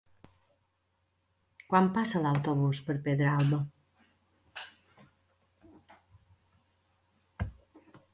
Quan passa l'autobús per Pedralba?